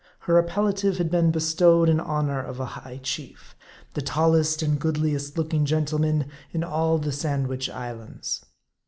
Her appellative had been bestowed in honor of a high chief, the tallest and goodliest looking gentleman in all the Sandwich Islands.